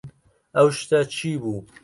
ئەو شتە چی بوو؟